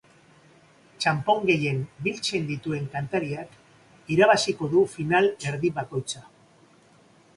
Txanpon gehien biltzen dituen kantariak, irabaziko du final erdi bakoitza.